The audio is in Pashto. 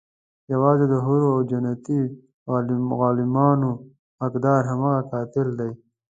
يوازې د حورو او جنتي غلمانو حقدار هماغه قاتل دی.